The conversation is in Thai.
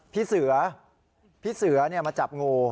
พี่เสือพี่เสือมาจับงู